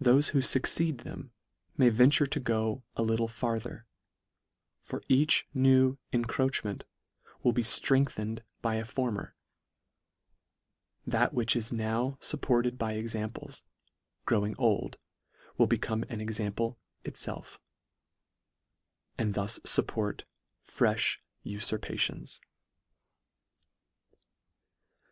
Thofe who fucceed them may venture to go a little farther ; for each new encroachment will be ftrengthened by a former, b " That which is now fupport " ed by examples, growing old, will be " come an example itfelf," and thus fup port freih ufurpations. (b) Tacitus.